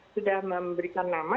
sudah memberikan nama